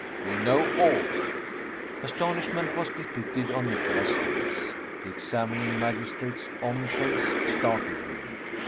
We know all " Astonishment was depicted on Nicholas's face. The examining magistrate's omniscience startled him.